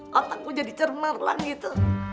kotak gue jadi cermar lah gitu